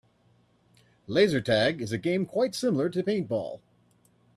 Laser tag is a game quite similar to paintball.